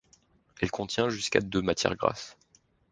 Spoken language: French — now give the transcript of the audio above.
Elle contient jusqu'à de matières grasses.